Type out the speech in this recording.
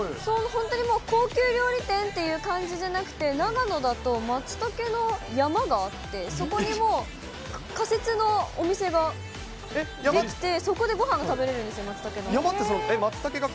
本当にもう高級料理店っていう感じじゃなくて、長野だとマツタケの山があって、そこにもう、仮設のお店が出来て、そこでごはんが食べられるんですよ、マツタケの。